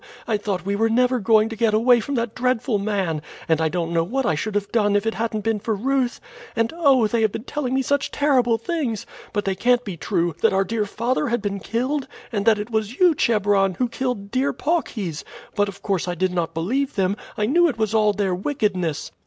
I thought we were never going to get away from that dreadful man; and I don't know what I should have done if it hadn't been for Ruth. And, oh! they have been telling me such terrible things but they can't be true that our dear father had been killed; and that it was you, Chebron, who killed dear Paucis; but of course I did not believe them I knew it was all their wickedness."